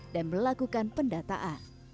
dan melakukan pendataan